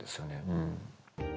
うん。